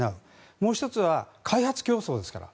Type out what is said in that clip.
もう１つは開発競争ですから。